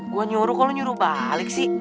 gue nyuruh kok lo nyuruh balik sih